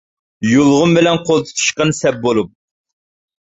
يۇلغۇن بىلەن قول تۇتۇشقان سەپ بولۇپ.